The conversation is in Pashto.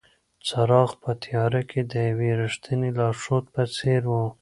څراغ په تیاره کې د یوې رښتینې لارښود په څېر و.